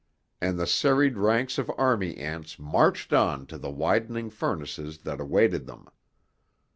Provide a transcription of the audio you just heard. And the serried ranks of army ants marched on to the widening furnaces that awaited them.